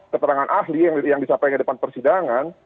keterangan ahli yang disampaikan depan persidangan